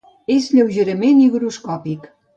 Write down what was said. És lleugerament higroscòpic.